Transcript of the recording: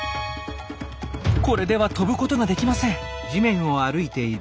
これでは飛ぶことができません。